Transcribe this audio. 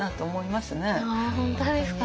あ本当ですか。